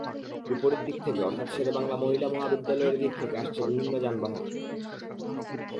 বিপরীত দিক অর্থাৎ শেরেবাংলা মহিলা মহাবিদ্যালয়ের দিক থেকে আসছে বিভিন্ন যানবাহন।